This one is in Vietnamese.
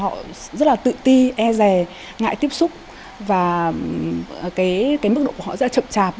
họ rất là tự ti e rè ngại tiếp xúc và cái mức độ của họ sẽ chậm chạp